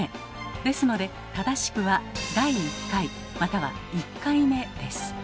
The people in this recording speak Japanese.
ですので正しくは「第一回」または「一回目」です。